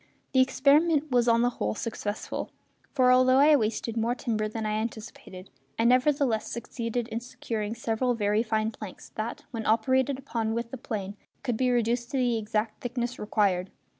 The experiment was on the whole successful; for although I wasted more timber than I anticipated I nevertheless succeeded in securing several very fine planks that, when operated upon with the plane, could be reduced to the exact thickness required.